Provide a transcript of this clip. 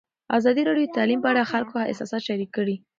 ازادي راډیو د تعلیم په اړه د خلکو احساسات شریک کړي.